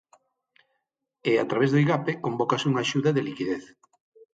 E, a través do Igape, convócase unha axuda de liquidez.